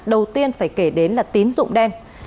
đầu tiên phải kể đến là tín dụng đen